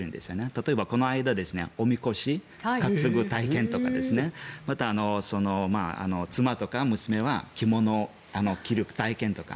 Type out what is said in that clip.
例えばこの間おみこし担ぐ体験とかまた、妻とか娘は着物を着る体験とか。